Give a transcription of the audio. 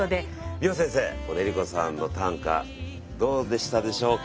美穂先生この江里子さんの短歌どうでしたでしょうか？